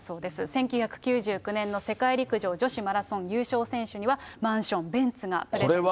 １９９９年の世界陸上女子マラソン優勝選手には、マンション、ベンツがプレゼントされた。